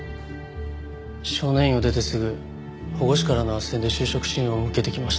少年院を出てすぐ保護司からの斡旋で就職支援を受けてきました。